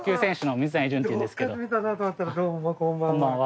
・どうもこんばんは。